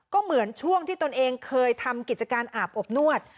ก็เหมือนช่วงที่ตนเองเคยทำกิจการอาบอบนวด